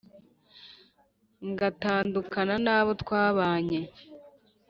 ngatandukana nabo twabanye